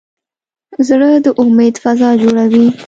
زړه د امید فضا جوړوي.